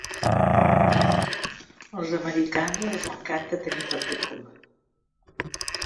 Als americans els encanta tenir barbacoa.